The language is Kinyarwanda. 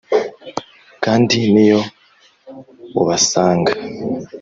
kandi niyo ubasanga,